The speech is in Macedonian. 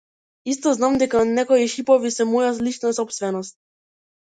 Исто така знам дека некои шипови се моја лична сопственост.